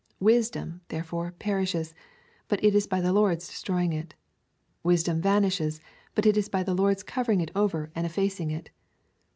Wisdom, therefore, perishes, but it is by the Lord's destroying it : wisdom vanishes, but it is by the Lord's covering it over and effacing it.